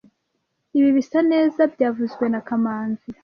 Ibi bisa neza byavuzwe na kamanzi